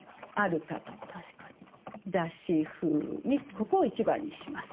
ここを１番にします。